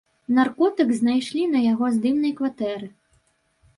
Наркотык знайшлі на яго здымнай кватэры.